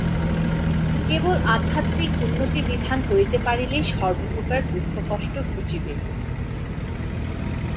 কেবল আধ্যাত্মিক উন্নতিবিধান করিতে পারিলেই সর্বপ্রকার দুঃখকষ্ট ঘুচিবে।